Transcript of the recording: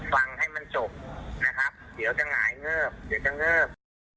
ฟังให้มันจบนะครับเดี๋ยวจะหงายเงิบเดี๋ยวจะเงิบ